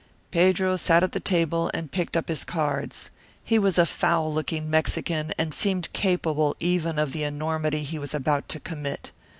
Pedro sat at the table and picked up his cards. He was a foul looking Mexican and seemed capable even of the enormity he was about to commit.